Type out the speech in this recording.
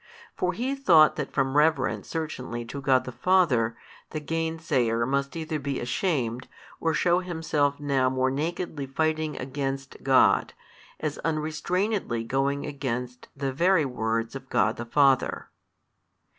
For He thought that from reverence certainly to God the Father, the gainsayer must either be ashamed, or shew himself now more nakedly fighting against God, as unrestrainedly going against the very words of God the Father.